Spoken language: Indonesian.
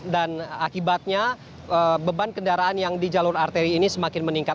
dan akibatnya beban kendaraan yang di jalur arteri ini semakin meningkat